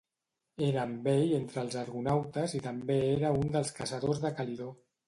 Era amb ell entre els argonautes i també era un dels caçadors de Calidó.